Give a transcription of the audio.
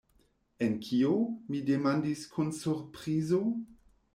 En kio? mi demandis kun surprizo.